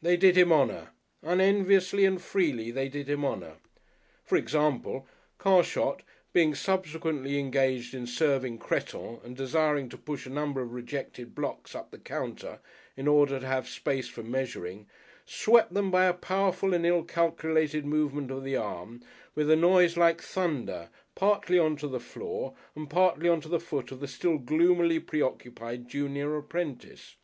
They did him honour. Unenviously and freely they did him honour. For example, Carshot being subsequently engaged in serving cretonne and desiring to push a number of rejected blocks up the counter in order to have space for measuring, swept them by a powerful and ill calculated movement of the arm, with a noise like thunder partly on to the floor and partly on to the foot of the still gloomily preoccupied junior apprentice.